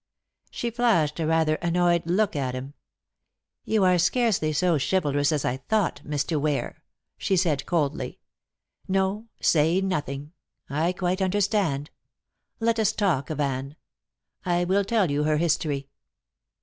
She flashed a rather annoyed look at him. "You are scarcely so chivalrous as I thought, Mr. Ware," she said coldly. "No, say nothing; I quite understand. Let us talk of Anne. I will tell you her history."